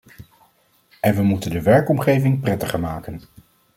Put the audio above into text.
En we moeten de werkomgeving prettiger maken.